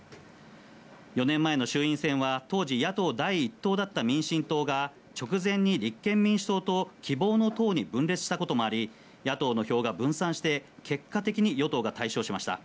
４年前の衆院選は、当時、野党第１党だった民進党が、直前に立憲民主党と希望の党に分裂したこともあり、野党の票が分散して、結果的に与党が大勝しました。